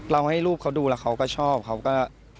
ให้รูปเขาดูแล้วเขาก็ชอบเขาก็